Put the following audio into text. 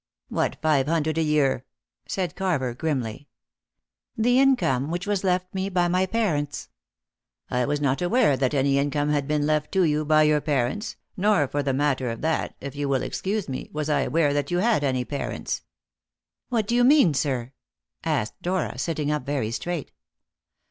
"What five hundred a year?" said Carver grimly. "The income which was left me by my parents." "I was not aware that any income had been left to you by your parents, nor, for the matter of that if you will excuse me was I aware that you had any parents." "What do you mean, sir?" asked Dora, sitting up very straight.